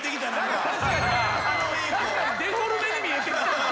デフォルメに見えてきたな。